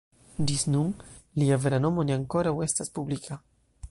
Ĝis nun, lia vera nomo ne ankoraŭ estas publika.